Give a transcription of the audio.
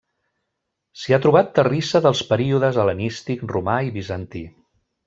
S'hi ha trobat terrissa dels períodes hel·lenístic, romà i bizantí.